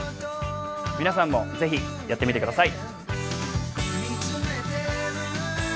皆さんもぜひやってみてください。